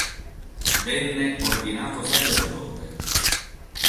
Venne ordinato sacerdote.